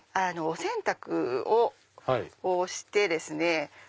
お洗濯をしてですね。